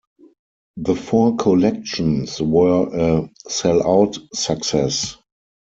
The four collections were a sell-out success.